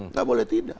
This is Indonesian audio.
tidak boleh tidak